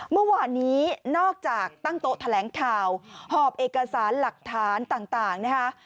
เมื่อวานนี้นอกจากตั้งโต๊ะแถลงข่าวหอบเอกสารหลักฐานต่างนะคะ